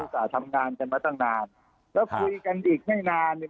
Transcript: เพราะเราจะทำงานจนนานแล้วคุยกันอีกไม่นาน